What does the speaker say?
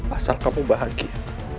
asal kamu bahagia